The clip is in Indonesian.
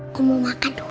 aku mau makan dulu ya